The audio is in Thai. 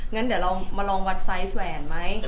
งั้นเดี๋ยวเรามาลองวัดไซส์แหวนไหม